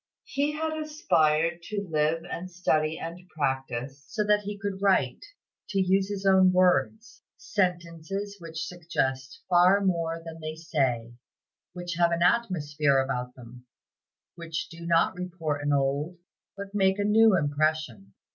He had aspired to live and study and practice, so that he could write to use his own words "sentences which suggest far more than they say, which have an atmosphere about them, which do not report an old, but make a new impression."